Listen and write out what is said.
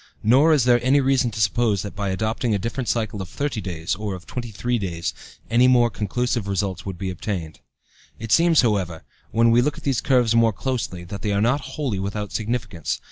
Nor is there any reason to suppose that by adopting a different cycle of thirty days, or of twenty three days, any more conclusive results would be obtained. It seems, however, when we look at these curves more closely, that they are not wholly without significance.